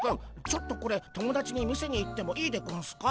ちょっとこれ友達に見せに行ってもいいでゴンスか？